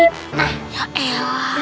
nah ya elah